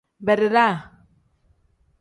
Beredaa.